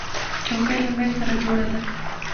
چوکۍ له مېز سره جوړه ده.